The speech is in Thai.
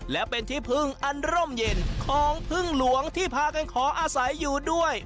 และเป็นที่พึ่งอันร่มเย็นของพึ่งหลวงที่พากันขออาศัยอยู่ด้วย